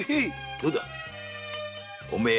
どうだおめえ